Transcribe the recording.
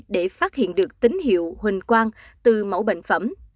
để phát hiện được tín hiệu hình quang từ mẫu bệnh phẩm